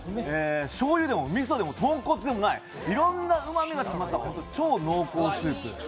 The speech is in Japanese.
しょうゆでも、みそでも、豚骨でもない、いろんなうまみが詰まった超濃厚なスープ。